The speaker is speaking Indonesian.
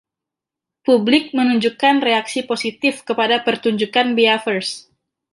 Publik menunjukkan reaksi positif kepada pertunjukan Beavers.